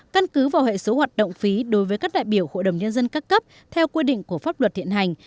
căn cứ vào hệ số hoạt động phí đối với các đại biểu hội đồng nhân dân các cấp theo quy định của pháp luật hiện hành